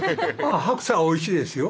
白菜おいしいですよ。